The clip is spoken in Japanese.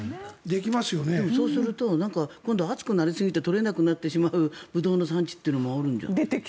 でもそうすると今度は暑くなりすぎて取れなくなってしまうブドウの産地というのもあるんじゃない。